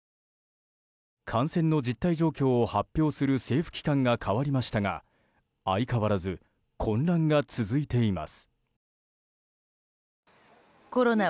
感染の実態状況を発表する政府機関が変わりましたが相変わらず混乱が続いています。